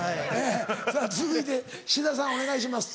さぁ続いて志田さんお願いします。